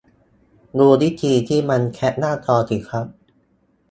ดูวิธีที่มันแคปหน้าจอสิครับ